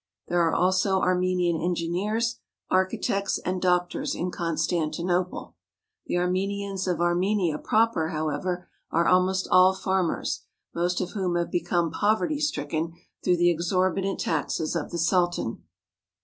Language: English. There are also Armenian engineers, architects, and doctors in Constantinople. The Armenians of Ar menia proper, however, are almost all farmers, most of whom have become poverty stricken through the ex horbitant taxes of the Sultan.